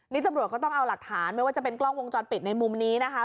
นี่ตำรวจก็ต้องเอาหลักฐานไม่ว่าจะเป็นกล้องวงจรปิดในมุมนี้นะคะ